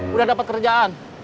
udah dapat kerjaan